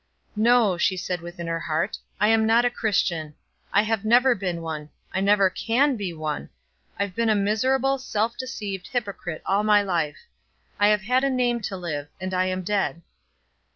"No," she said within her heart, "I am not a Christian; I never have been one; I never can be one. I've been a miserable, self deceived hypocrite all my life. I have had a name to live, and am dead.